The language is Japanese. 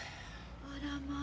あらまあ。